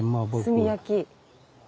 炭焼き。